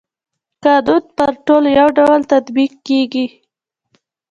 قانون پر ټولو يو ډول تطبيق کيږي.